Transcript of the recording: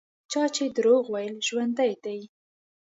چا چې دروغ ویل ژوندي دي.